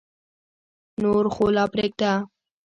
نور خو لا پرېږده.